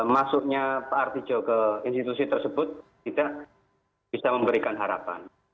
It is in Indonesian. masuknya pak artijo ke institusi tersebut tidak bisa memberikan harapan